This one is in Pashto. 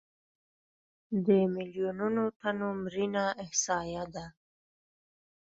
د میلیونونو تنو مړینه احصایه ده.